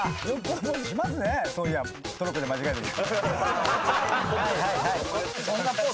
そういやトロッコで間違えたとき。